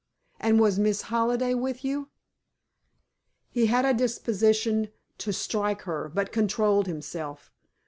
And was Miss Halliday with you?" He had a disposition to strike her, but controlled himself.